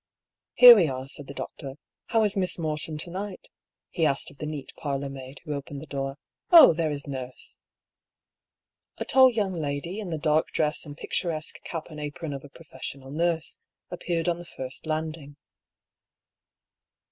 " Here we are," said the doctor. " How is Miss 5 60 I>R. PAULL'S THEORY. Morton to night?" he asked of the neat parlounnaid, who opened the door. " Oh, there is nurse !" A tall young lady, in the dark dress and picturesque cap and apron of a professional nurse, appeared on the first landing.